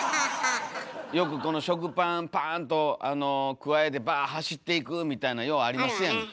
よく食パンパーンとくわえてバーッ走っていくみたいなんようありますやんか。